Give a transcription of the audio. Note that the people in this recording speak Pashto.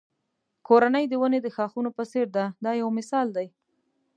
کورنۍ د ونې د ښاخونو په څېر ده دا یو مثال دی.